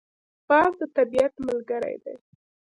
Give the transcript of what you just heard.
باز د طبیعت ملګری دی